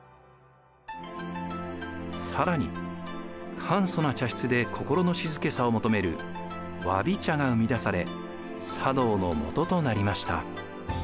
更に簡素な茶室で心の静けさを求めるわび茶が生み出され茶道のもととなりました。